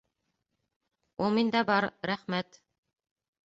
Ул миндә бар. Рәхмәт.